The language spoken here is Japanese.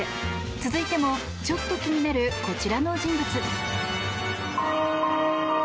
続いてはちょっと気になるこちらの人物。